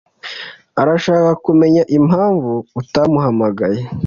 arashaka kumenya impamvu utamuhamagaye.